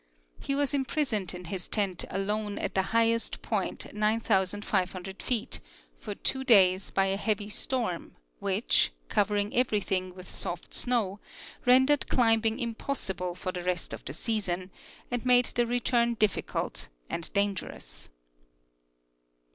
He was imprisoned in his tent alone at the highest point, 9,500 feet, for two days by a heavy storm which, covering everything with soft snow, ren dered climbing impossible for the rest of the season, and made the return difficult and dangerous.